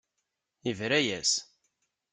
Yebra-yas.